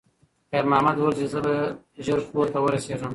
خیر محمد وویل چې زه به ژر کور ته ورسیږم.